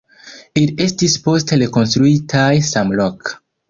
Ili estis poste rekonstruitaj samloke.